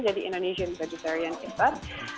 jadi indonesian vegetarian iftar